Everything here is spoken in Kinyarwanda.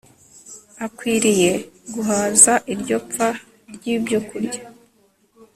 akwiriye guhaza iryo pfa ryibyokurya